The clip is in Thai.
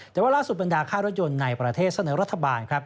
แต่ว่าล่าสุดบรรดาค่ารถยนต์ในประเทศเสนอรัฐบาลครับ